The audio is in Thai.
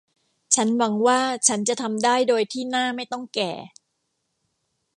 ฉันหวังว่าฉันจะทำได้โดยที่หน้าไม่ต้องแก่